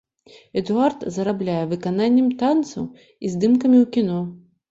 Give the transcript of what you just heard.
Эдуард зарабляе выкананнем танцаў і здымкамі ў кіно.